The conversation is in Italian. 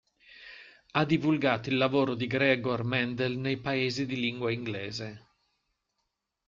Ha divulgato il lavoro di Gregor Mendel nei paesi di lingua inglese.